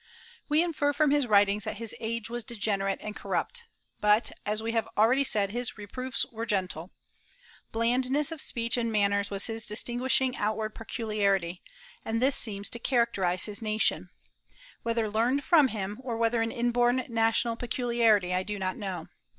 We infer from his writings that his age was degenerate and corrupt, but, as we have already said, his reproofs were gentle. Blandness of speech and manners was his distinguishing outward peculiarity; and this seems to characterize his nation, whether learned from him, or whether an inborn national peculiarity, I do not know.